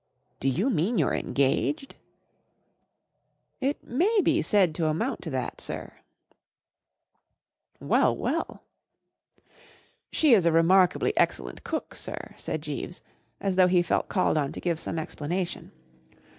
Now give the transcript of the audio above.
" Do you mean you're engaged ?" "It may be said to amount to that; sir," " Well, well !"" She is a remarkably excellent cook, sir," said Jeeves, as though he felt called on to give some explanation.